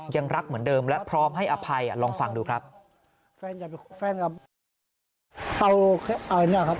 ยังรักเหมือนเดิมและพร้อมให้อภัยอ่ะลองฟังดูครับ